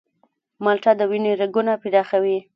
مالټه د وینې رګونه پراخوي.